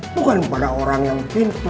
bukan pada orang yang pintu